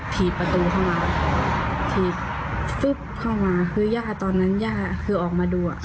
ถีบประตูเข้ามาถีบึ๊บเข้ามาคือย่าตอนนั้นย่าคือออกมาดูอ่ะ